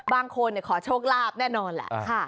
บางคนขอโชคลาภแน่นอนแหละ